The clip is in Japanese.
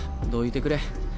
どいてくれ。